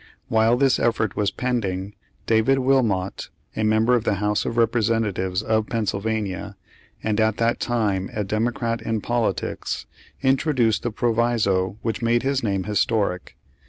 While this effort was pending, David Wilmot, a member of the House of Repre sentatives of Pennsylvania, and at that time a Democrat in politics, introduced the proviso which made his name historic.